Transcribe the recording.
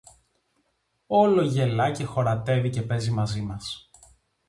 Όλο γελά και χωρατεύει και παίζει μαζί μας.